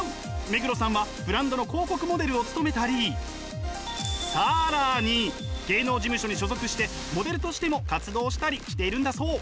目黒さんはブランドの広告モデルを務めたり更に芸能事務所に所属してモデルとしても活動したりしているんだそう。